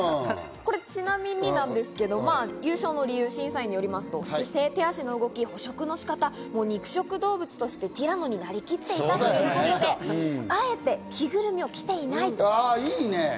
これ、ちなみになんですけど、優勝の理由は審査員によりますと、姿勢、手足の動き、捕食の仕方、肉食動物としてティラノになりきっていたということであえて着ぐるみを着ていない。